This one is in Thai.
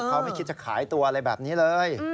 เขาไม่คิดจะขายตัวอะไรแบบนี้เลย